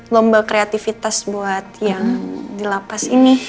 lomba kreativitas buat yang di lapas ini